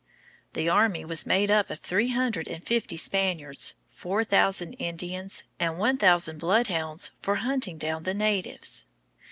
The army was made up of three hundred and fifty Spaniards, four thousand Indians, and one thousand bloodhounds for hunting down the natives.